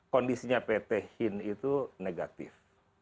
kondisinya pt hin itu negatif